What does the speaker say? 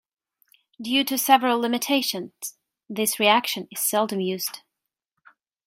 Due to several limitations this reaction is seldom used.